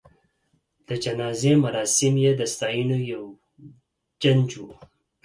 د جنازې مراسم یې د ستاینو یو جنج و.